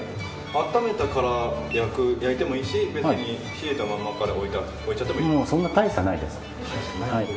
温めてから焼いてもいいし別に、冷えたままから置いちゃってもいい？